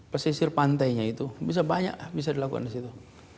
pesisir pantainya itu bisa banyak bisa dilakukan di situ